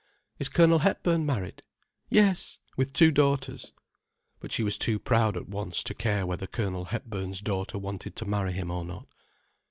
"Is Colonel Hepburn married?" "Yes—with two daughters." But she was too proud at once to care whether Colonel Hepburn's daughter wanted to marry him or not.